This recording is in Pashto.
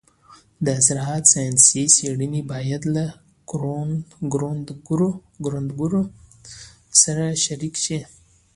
د زراعت ساینسي څېړنې باید له کروندګرو سره شریکې شي.